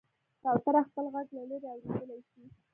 کوتره خپل غږ له لرې اورېدلی شي.